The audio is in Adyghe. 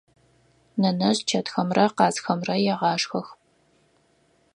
Нэнэжъ чэтхэмрэ къазхэмрэ егъашхэх.